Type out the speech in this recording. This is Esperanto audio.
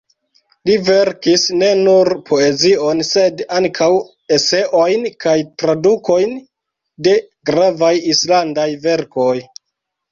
Li verkis ne nur poezion sed ankaŭ eseojn kaj tradukojn de gravaj islandaj verkoj.